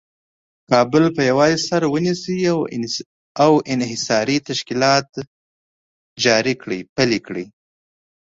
کابل په یوازې سر ونیسي او انحصاري تشکیلات پلي کړي.